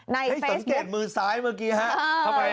ให้สังเกตมือซ้ายเมื่อกี้ฮะทำไมฮะ